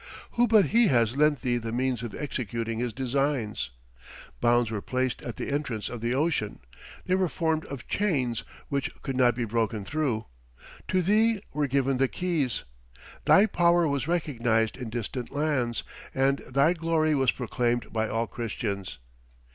Who but He has lent thee the means of executing His designs? Bounds were placed at the entrance of the ocean; they were formed of chains which could not be broken through. To thee were given the keys. Thy power was recognized in distant lands, and thy glory was proclaimed by all Christians.